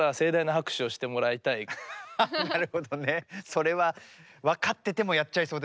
それは分かっててもやっちゃいそうですね。